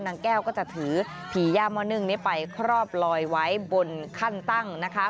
นางแก้วก็จะถือผีย่าม่อนึ่งนี้ไปครอบลอยไว้บนขั้นตั้งนะคะ